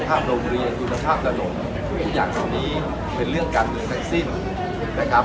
ไม่อยู่ข้างหลังใครนะครับก็ชื่นชมนะครับ